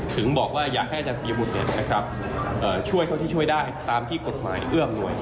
ถึงบอกว่าอยากให้อาจารย์ปียบุตรช่วยเท่าที่ช่วยได้ตามที่กฎหมายเอื้ออำนวย